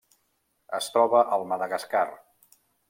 Es troba al Madagascar.